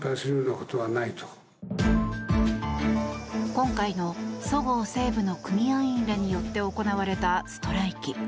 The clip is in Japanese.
今回の、そごう・西武の組合員らによって行われたストライキ。